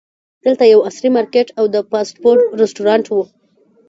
دلته یو عصري مارکیټ او د فاسټ فوډ رسټورانټ و.